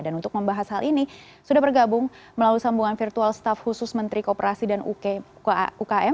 dan untuk membahas hal ini sudah bergabung melalui sambungan virtual staff khusus menteri kooperasi dan ukm